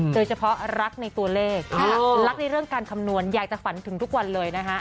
โดยเฉพาะรักในตัวเลขรักในเรื่องการคำนวณอยากจะฝันถึงทุกวันเลยนะฮะ